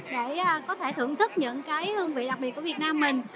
để có thể thưởng thức những cái hương vị đặc biệt của việt nam mình